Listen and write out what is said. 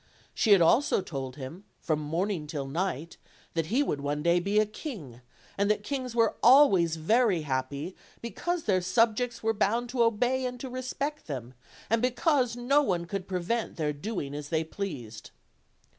She had also told him, from morning till night, that he would one day be a king, and that kings were always very happy because their subjects were bound to obey and to respect them, and because no one could pre vent their doing as they pleased.